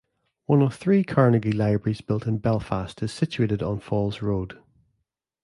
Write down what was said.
One of three Carnegie libraries built in Belfast is situated on Falls Road.